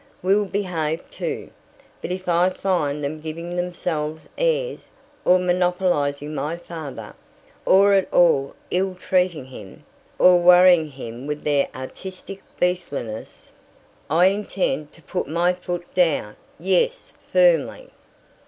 we'll behave, too. But if I find them giving themselves airs, or monopolizing my father, or at all ill treating him, or worrying him with their artistic beastliness, I intend to put my foot down, yes, firmly.